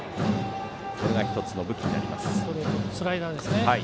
これが１つの武器になります。